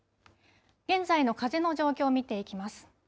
現在の風の状況を見ていきます。